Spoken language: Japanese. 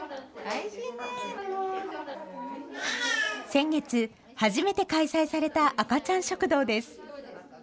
先月、初めて開催された赤ちゃん食堂です。